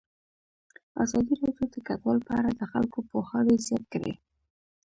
ازادي راډیو د کډوال په اړه د خلکو پوهاوی زیات کړی.